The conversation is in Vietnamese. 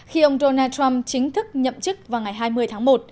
khi ông donald trump chính thức nhậm chức vào ngày hai mươi tháng một